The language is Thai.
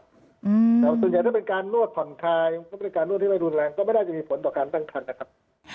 แต่ส่วนใหญ่ถ้าเป็นการนวดผ่อนคลายบริการนวดที่ไม่รุนแรงก็ไม่น่าจะมีผลต่อการตั้งคันนะครับ